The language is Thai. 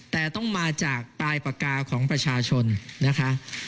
แต่ต้องมาจากปลายปากกาของประชาชนนะคะ